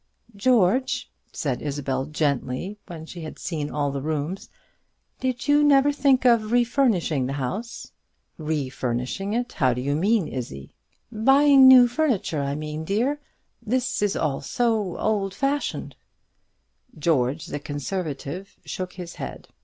"George," said Isabel, gently, when she had seen all the rooms, "did you never think of re furnishing the house?" "Re furnishing it! How do you mean, Izzie?" "Buying new furniture, I mean, dear. This is all so old fashioned." George the conservative shook his head.